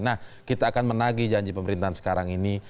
nah kita akan menagi janji pemerintahan sekarang ini